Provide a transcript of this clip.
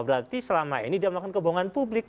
berarti selama ini dia melakukan kebohongan publik